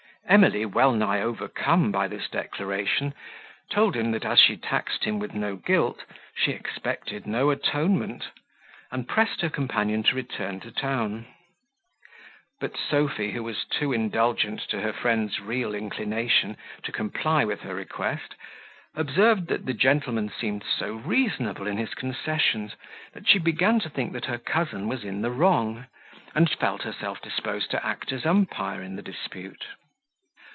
Emily, well nigh overcome by this declaration, told him, that as she taxed him with no guilt, she expected no atonement, and pressed her companion to return to town. But Sophy, who was too indulgent to her friend's real inclination to comply with her request, observed that the gentleman seemed so reasonable in his concessions, that she began to think her cousin was in the wrong, and felt herself disposed to act as umpire in the dispute.